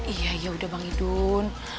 iya ya udah bang idun